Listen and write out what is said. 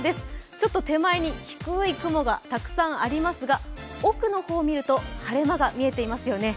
ちょっと手前に低い雲がたくさんありますが奥の方を見ると晴れ間が見えていますよね。